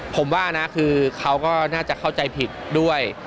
ผมว่านะคือเขาก็น่าจะเข้าใจผิดด้วย